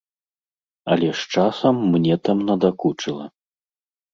Але з часам мне там надакучыла.